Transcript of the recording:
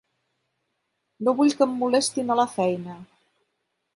No vull que em molestin a la feina.